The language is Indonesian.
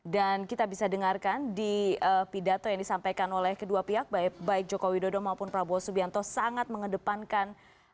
dan kita bisa dengarkan di pidato yang disampaikan oleh kedua pihak baik jokowi dodo maupun prabowo subianto sangat mengedepankan